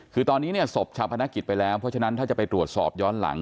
คือตอนนี้เนี่ยศพชาวพนักกิจไปแล้วเพราะฉะนั้นถ้าจะไปตรวจสอบย้อนหลัง